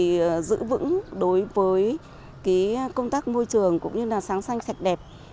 để giữ vững đối với công tác môi trường cũng như sáng xanh sạch đẹp